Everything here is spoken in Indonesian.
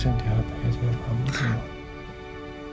saya jahat sama kamu semua